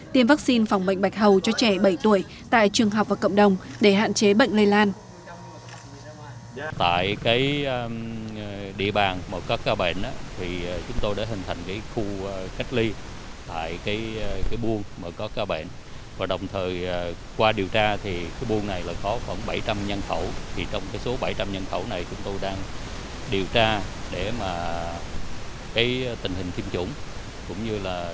tiêm vaccine phòng bệnh bạch hầu cho trẻ bảy tuổi tại trường học và cộng đồng để hạn chế bệnh lây lan